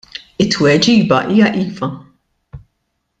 It-tweġiba hija ' Iva'.